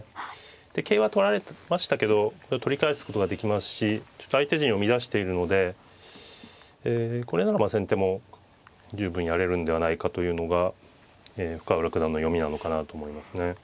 で桂は取られましたけど取り返すことができますしちょっと相手陣を乱しているのでこれならば先手も十分やれるんではないかというのが深浦九段の読みなのかなと思いますね。